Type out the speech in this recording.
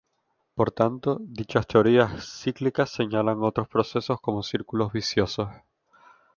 Por tanto, dichas teorías cíclicas señalan estos procesos como círculos viciosos.